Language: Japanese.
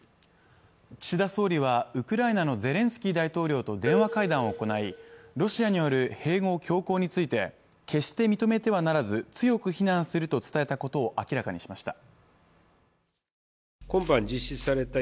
岸田総理はウクライナのゼレンスキー大統領と電話会談を行いロシアによる併合強行について決して認めてはならず強く非難すると伝えたことを明らかにしました。